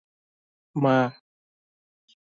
ମା!